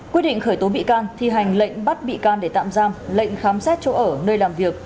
quyết định khởi tố bị can thi hành lệnh bắt bị can để tạm giam lệnh khám xét chỗ ở nơi làm việc